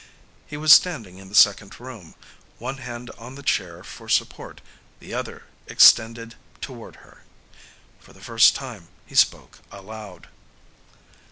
He was standing in the second room, one hand on the chair for support, the other extended toward her. For the first time he spoke aloud.